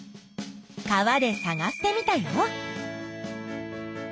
川でさがしてみたよ。